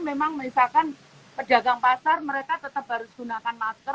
memang misalkan pedagang pasar mereka tetap harus gunakan masker